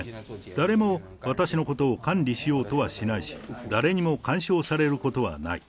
誰も私のことを管理しようとはしないし、誰にも干渉されることはない。